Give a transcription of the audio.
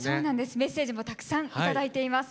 メッセージもたくさん頂いています。